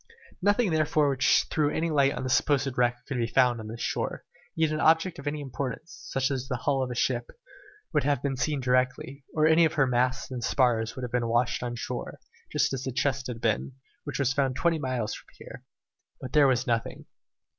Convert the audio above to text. Nothing therefore which threw any light on the supposed wreck could be found on this shore, yet an object of any importance, such as the hull of a ship, would have been seen directly, or any of her masts and spars would have been washed on shore, just as the chest had been, which was found twenty miles from here. But there was nothing.